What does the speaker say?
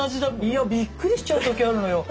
いやびっくりしちゃう時あるのよ。